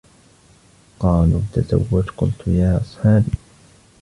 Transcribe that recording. قالوا تزوَّج، قلتُ: يا أصحابي